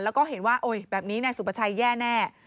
แล้วก็เห็นว่าแบบนี้นายสุประชัยแย่แน่